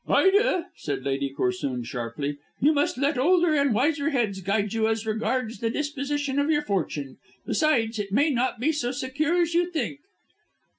"Ida," said Lady Corsoon sharply, "you must let older and wiser heads guide you as regards the disposition of your fortune. Besides, it may not be so secure as you think."